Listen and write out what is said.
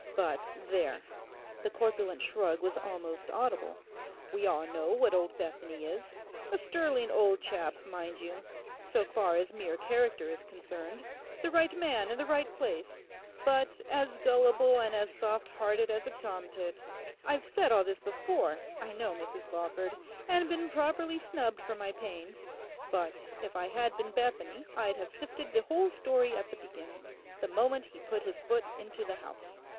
But there,' the corpulent shrug was almost audible, 'we all know what old Bethany is. A sterling old chap, mind you, so far as mere character is concerned; the right man in the right place; but as gullible and as soft hearted as a tom tit. I've said all this before, I know, Mrs Lawford, and been properly snubbed for my pains. But if I had been Bethany I'd have sifted the whole story at the beginning, the moment he put his foot into the house.